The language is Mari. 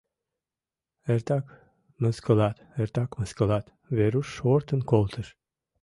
Эртак мыскылат, эртак мыскылат, — Веруш шортын колтыш.